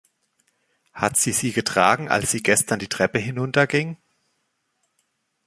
Hat sie sie getragen, als sie gestern Abend die Treppe hinunterging?